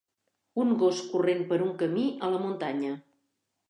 Un gos corrent per un camí a la muntanya.